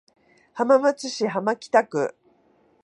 浜松市浜北区